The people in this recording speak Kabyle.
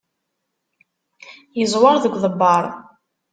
Yeẓwer deg uḍebber.